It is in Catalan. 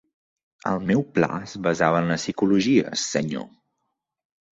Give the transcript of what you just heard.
El meu pla es basava en la psicologia, senyor.